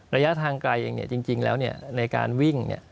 ระยะทางไกลเองจริงแล้วในการวิ่ง